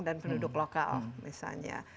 dan penduduk lokal misalnya